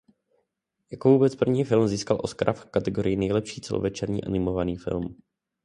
Jako vůbec první film získal Oscara v kategorii nejlepší celovečerní animovaný film.